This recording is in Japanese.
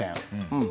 うん。